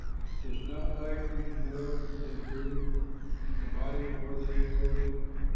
Does not life mean more than food, and the body more than clothing?